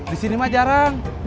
di sini mah jarang